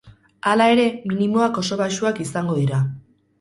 Hala ere, minimoak oso baxuak izango dira.